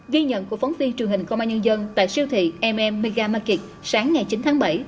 ghi nhận của phóng viên truyền hình công an nhân dân tại siêu thị mega makic sáng ngày chín tháng bảy